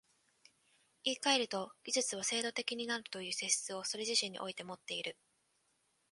言い換えると、技術は制度的になるという性質をそれ自身においてもっている。